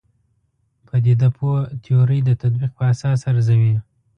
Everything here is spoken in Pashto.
پدیده پوه تیورۍ د تطبیق په اساس ارزوي.